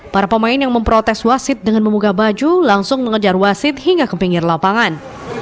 para pemain yang memprotes wasit dengan memugah baju langsung mengejar wasit hingga ke pinggir lapangan